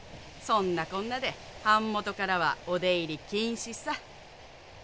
そんなこんなで版元からはお出入り禁止さ。